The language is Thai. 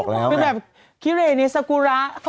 แล้วตัวเล็กมาก